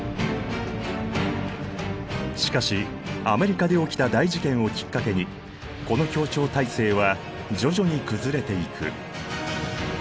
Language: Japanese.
しかしアメリカで起きた大事件をきっかけにこの協調体制は徐々に崩れていく。